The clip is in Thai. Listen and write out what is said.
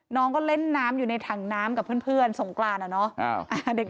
น้องก็เล่นน้ำอยู่ในถังน้ำกับเพื่อนสงกรานอะเนาะ